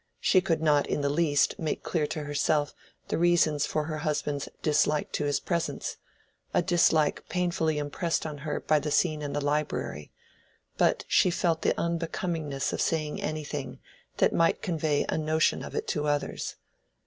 She could not in the least make clear to herself the reasons for her husband's dislike to his presence—a dislike painfully impressed on her by the scene in the library; but she felt the unbecomingness of saying anything that might convey a notion of it to others.